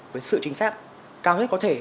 với sự trinh sát cao nhất có thể